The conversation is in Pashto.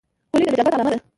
خولۍ د نجابت علامه ده.